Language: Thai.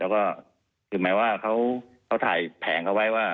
คือหมายว่าเขาถ่ายแผงเขาไว้